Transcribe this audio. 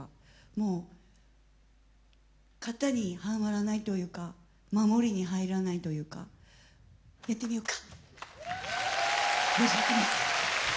もう型にはまらないというか守りに入らないというかやってみようか。